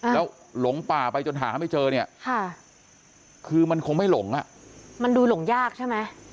แล้วหลงป่าไปจนหาไม่เจอเนี่ยคือมันคงไม่หลงอ่ะมันดูหลงยากใช่ไหม